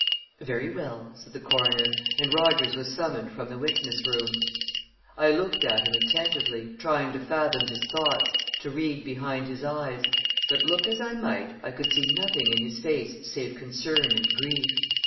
"Very well," said the coroner, and Rogers was summoned from the witness room. I looked at him attentively, trying to fathom his thoughts, to read behind his eyes; but look as I might, I could see nothing in his face save concern and grief.